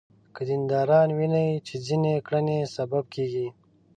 که دینداران ویني چې ځینې کړنې سبب کېږي.